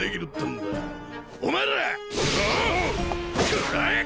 食らえ！